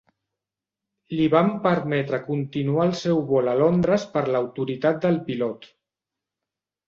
Li van permetre continuar el seu vol a Londres per l'autoritat del pilot.